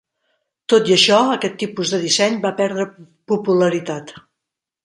Tot i això, aquest tipus de disseny va perdre popularitat.